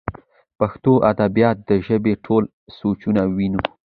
پښتو ادبيات د ژبې ټول سوچه وييونو